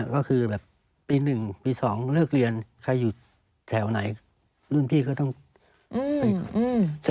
ก็คือแบบปี๑ปี๒เลิกเรียนใครอยู่แถวไหนรุ่นพี่ก็ต้องไปก่อน